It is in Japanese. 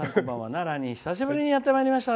奈良に久しぶりにやってまいりました。